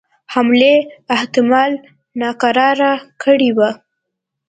حملې احتمال ناکراره کړي وه.